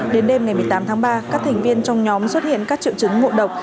đến đêm ngày một mươi tám tháng ba các thành viên trong nhóm xuất hiện các triệu chứng ngộ độc